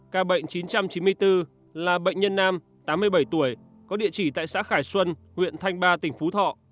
ca bệnh chín trăm chín mươi bốn là bệnh nhân nam tám mươi bảy tuổi có địa chỉ tại xã khải xuân huyện thanh ba tỉnh phú thọ